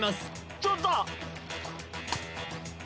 ちょっと！